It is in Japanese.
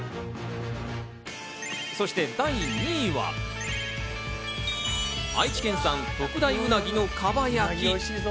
そして第２位は、愛知県産特大うなぎの蒲焼。